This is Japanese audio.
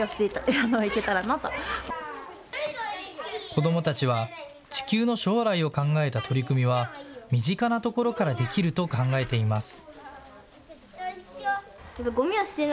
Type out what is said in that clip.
子どもたちは地球の将来を考えた取り組みは身近なところからできると考えています。